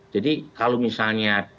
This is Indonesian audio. jadi kalau misalnya